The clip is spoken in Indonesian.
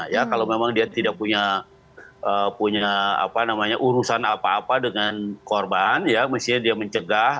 ya kalau memang dia tidak punya urusan apa apa dengan korban ya mestinya dia mencegah